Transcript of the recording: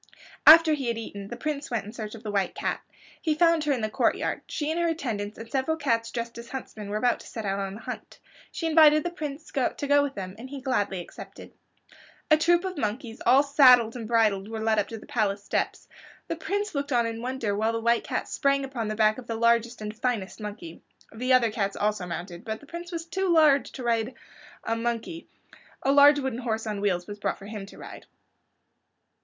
After he had eaten, the Prince went in search of the White Cat. He found her in the courtyard. She and her attendants and several cats dressed as huntsmen were about to set out on a hunt. She invited the Prince to go with them, and he gladly accepted. [Illustration: THE PRINCE GOES HUNTING WITH THE WHITE CAT] A troop of monkeys all saddled and bridled were led up to the palace steps. The Prince looked on in wonder while the White Cat sprang upon the back of the largest and finest monkey. The other cats also mounted, but as the Prince was too large to ride a monkey a large wooden horse on wheels was brought for him to ride.